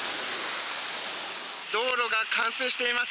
道路が冠水しています。